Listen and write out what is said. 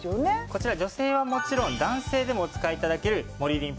こちら女性はもちろん男性でもお使い頂けるモリリン